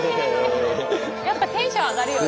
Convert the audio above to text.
やっぱテンション上がるよね。